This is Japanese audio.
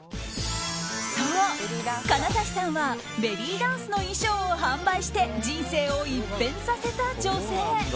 そう、金指さんはベリーダンスの衣装を販売して人生を一変させた女性。